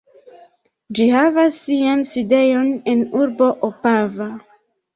Ĝi havas sian sidejon en urbo Opava.